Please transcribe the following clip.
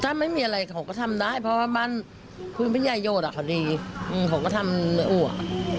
ถ้าไม่มีอะไรเขาก็ทำได้เพราะว่าบ้านผู้ยายโยดเขาดีเขาก็ทำเหนืออวก